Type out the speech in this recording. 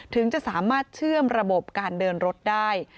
ถึงจะสามารถเชื่อมระบบการเดินรถได้